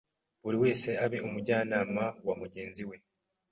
buri wese abe umujyanama wa mugenzi we.”